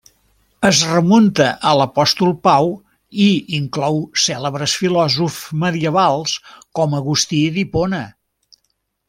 Es remunta a l'apòstol Pau, i inclou cèlebres filòsofs medievals com Agustí d'Hipona.